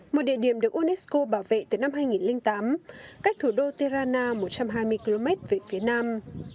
một địa điểm được unesco bảo vệ từ năm hai nghìn tám cách thủ đô terana một trăm hai mươi km về phía nam